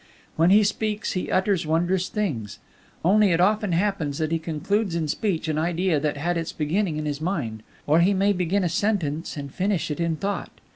When he speaks, he utters wondrous things. Only it often happens that he concludes in speech an idea that had its beginning in his mind; or he may begin a sentence and finish it in thought.